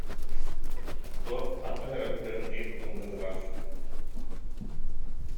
Суох, хантан эрэ сылдьарын ыйыппытым быһыылаах